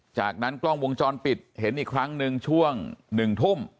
จากนั้นกล้องวงจรปิดเห็นอีกครั้งหนึ่งช่วง๑ทุ่ม